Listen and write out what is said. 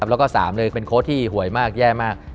แล้วก็๓เลยเป็นโค้ชที่หวยมากแย่มาก